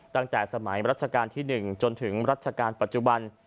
ตั้งแต่สมัยรัชกาลที่๑จนถึงรัชกาลปัจจุบัน